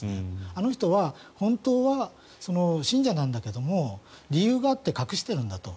あの人は本当は信者なんだけれど理由があって隠しているんだと。